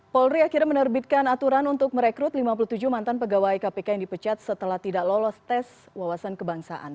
polri akhirnya menerbitkan aturan untuk merekrut lima puluh tujuh mantan pegawai kpk yang dipecat setelah tidak lolos tes wawasan kebangsaan